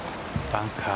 バンカー